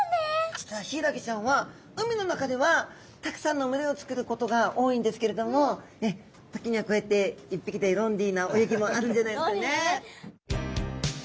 実はヒイラギちゃんは海の中ではたくさんの群れをつくることが多いんですけれども時にはこうやって１匹でロンリーな泳ぎもあるんじゃないですかね。